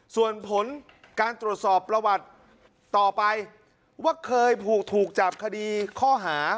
ส่วนผลการตรวจสอบประวัติต่อไปว่าเคยถูกจับคดีข้อหา